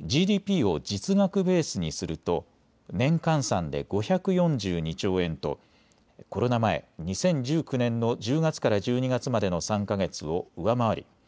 ＧＤＰを実額ベースにすると年換算で５４２兆円とコロナ前、２０１９年の１０月から１２月までの３か月を上回り